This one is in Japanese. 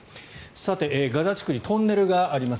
ガザ地区にトンネルがあります。